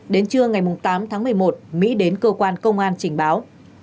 đến trưa ngày tám tháng một mươi một mỹ đến cơ quan công an trình báo